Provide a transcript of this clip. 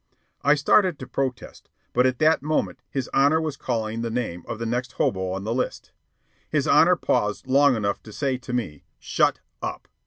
I started to protest, but at that moment his Honor was calling the name of the next hobo on the list. His Honor paused long enough to say to me, "Shut up!"